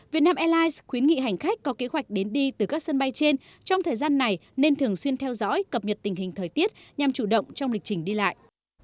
việt nam airlines khuyến nghị hành khách có kế hoạch đến đi từ các sân bay trên trong thời gian này nên thường xuyên theo dõi cập nhật tình hình thời tiết nhằm chủ động trong lịch trình đi lại